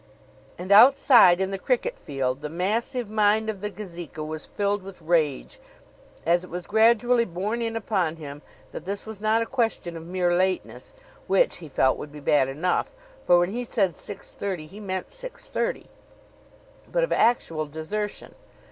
And outside in the cricket field, the massive mind of the Gazeka was filled with rage, as it was gradually borne in upon him that this was not a question of mere lateness which, he felt, would be bad enough, for when he said six thirty he meant six thirty but of actual desertion.